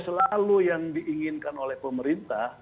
selalu yang diinginkan oleh pemerintah